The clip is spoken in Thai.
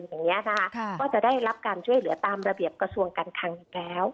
อย่างนี้นะคะก็จะได้รับการช่วยเหลือตามระเบียบกระทรวงการคลังอีกแล้ว